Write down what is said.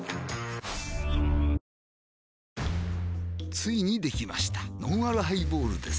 ついにできましたのんあるハイボールです